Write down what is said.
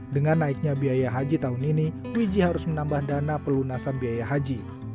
dengan naiknya biaya haji tahun ini wiji harus menambah dana pelunasan biaya haji